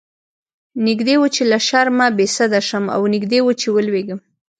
نږدې و چې له شرمه بې سده شم او نږدې و چې ولويږم.